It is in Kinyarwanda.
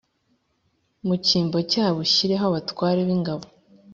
mu cyimbo cyabo ushyireho abatware b’ingabo,